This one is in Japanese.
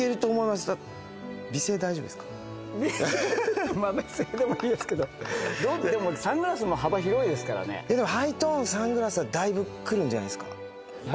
まあ美声でもいいですけどでもサングラスも幅広いですからねでも「ハイトーン」「サングラス」はだいぶくるんじゃないですか？